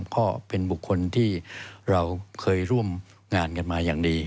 ก็เป็นบุคคลที่เราเคยร่วมงานกันมาอย่างดี